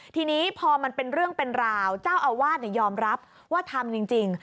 ทีนี้พอมันเป็นเรื่องเป็นราวเจ้าอาวาสยอมรับว่าทำจริง